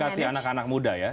mendekati anak anak muda ya